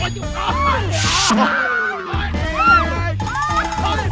โอ๊ยอบไม่เตียกให้หมดอยู่